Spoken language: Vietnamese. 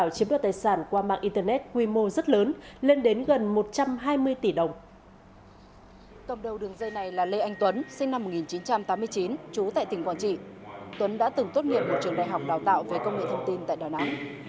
chú tại tỉnh quảng trị tuấn đã từng tốt nghiệp một trường đại học đào tạo với công nghệ thông tin tại đà nẵng